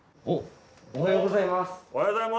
おはようございます！